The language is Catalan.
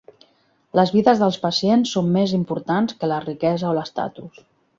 Les vides dels pacients són més importants que la riquesa o l'estatus.